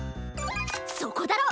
そこだろ！